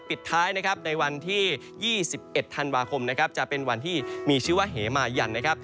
ปิดท้ายนะครับในวันที่๒๑ธันวาคมนะครับจะเป็นวันที่มีชื่อว่าเหมายันนะครับ